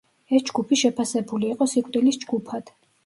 ეს ჯგუფი შეფასებული იყო „სიკვდილის ჯგუფად“.